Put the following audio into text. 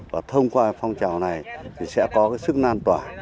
và thông qua phong trào này sẽ có sức nan tỏa